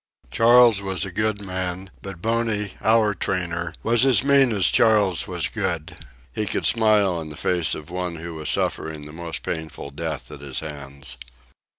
Charles was a good man, but Boney our trainer, was as mean as Charles was good; he could smile in the face of one who was suffering the most painful death at his hands.